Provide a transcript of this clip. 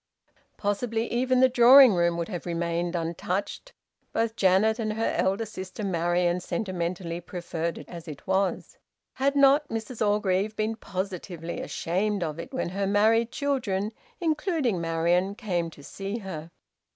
Possibly even the drawing room would have remained untouched both Janet and her elder sister Marian sentimentally preferred it as it was had not Mrs Orgreave been `positively ashamed' of it when her married children, including Marian, came to see her.